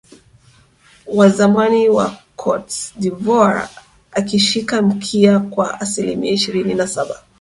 s wa zamani wa cote deivoire akishika mkia kwa aslimia ishirini na saba